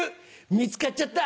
見つかっちゃった。